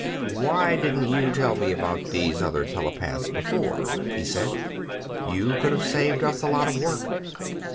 "Why didn't you tell me about these other telepaths before?" he said. "You could have saved us a lot of work."